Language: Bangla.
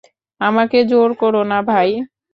আমাকে জোর করো না, ভাই।